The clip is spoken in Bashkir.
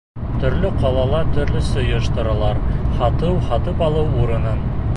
Төрлө ҡалала төрлөсә ойошторалар һатыу-һатып алыу урынын.